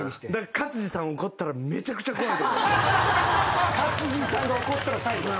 勝二さん怒ったらめちゃくちゃ怖い。